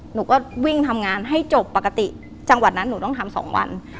หนูก็วิ่งทำงานให้จบปกติจังหวัดนั้นหนูต้องทำ๒วัน